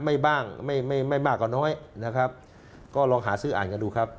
ไม่บ้างไม่ไม่มากกว่าน้อยนะครับก็ลองหาซื้ออ่านกันดูครับ